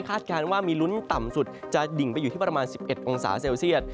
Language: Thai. การว่ามีลุ้นต่ำสุดจะดิ่งไปอยู่ที่ประมาณ๑๑องศาเซลเซียต